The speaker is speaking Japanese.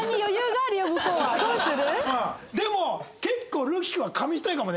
どうする？